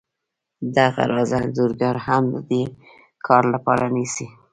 دغه راز انځورګر هم د دې کار لپاره نیسي